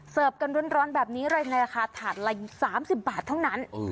เสิร์ฟกันร้อนแบบนี้ในราคาถาดละอยู่๓๐บาทเท่านั้น